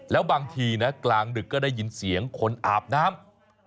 แล้วบางทีนะกลางดึกก็ได้ยินเสียงคนอาบน้ำ